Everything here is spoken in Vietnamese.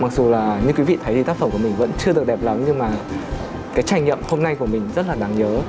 mặc dù là như quý vị thấy thì tác phẩm của mình vẫn chưa được đẹp lắm nhưng mà cái trải nghiệm hôm nay của mình rất là đáng nhớ